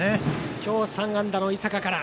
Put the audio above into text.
今日、３安打の井坂から。